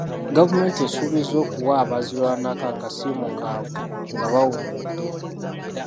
Gavumenti esuubizza okuwa abaazirwanako akasiimo kaabwe nga bawummudde.